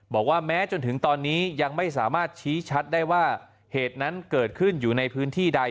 บอกว่าแม้จนถึงตอนนี้ยังไม่สามารถชี้ชัดได้ว่าเหตุนั้นเกิดขึ้นอยู่ในพื้นที่ใด